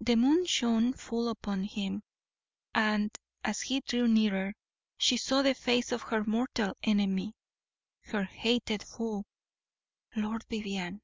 The moon shone full upon him; and as he drew nearer, she saw the face of her mortal enemy, her hated foe Lord Vivianne!